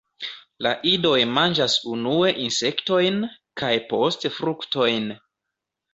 La idoj manĝas unue insektojn kaj poste fruktojn.